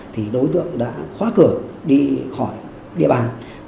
thì đối tượng đã khóa cửa đi khỏi địa bàn